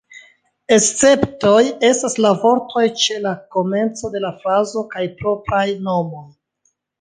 Esceptoj estas la vortoj ĉe la komenco de la frazo kaj propraj nomoj.